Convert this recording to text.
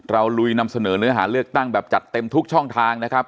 ลุยนำเสนอเนื้อหาเลือกตั้งแบบจัดเต็มทุกช่องทางนะครับ